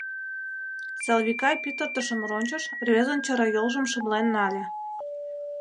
Салвика пӱтыртышым рончыш, рвезын чарайолжым шымлен нале.